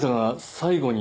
最後に？